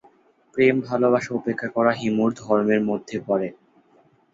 প্রেম ভালবাসা উপেক্ষা করা হিমুর ধর্মের মধ্যে পড়ে।